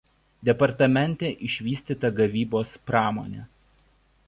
Departamente išvystyta gavybos pramonė.